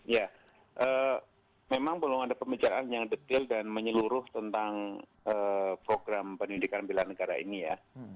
ya memang belum ada pembicaraan yang detail dan menyeluruh tentang program pendidikan bela negara ini ya